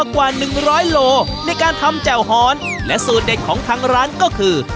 กว่าหนึ่งร้อยโลในการทำแจ่วฮอนและสูตรเด็ดของทางร้านก็คือ